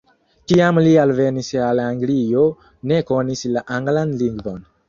Kiam li alvenis al Anglio ne konis la anglan lingvon.